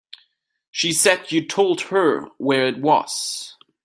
She said you told her where it was.